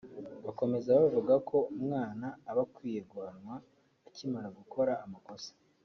Bakomeza bavuga ko umwana aba akwiye guhanwa akimara gukora amakosa